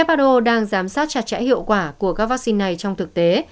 who đang giám sát chặt chẽ hiệu quả của các vaccine này trong thực tế